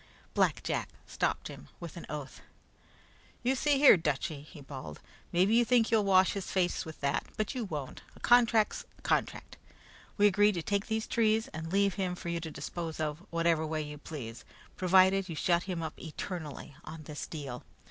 Black Jack stopped him, with an oath. "You see here, Dutchy," he bawled, "mebby you think you'll wash his face with that, but you won't. A contract's a contract. We agreed to take out these trees and leave him for you to dispose of whatever way you please, provided you shut him up eternally on this deal.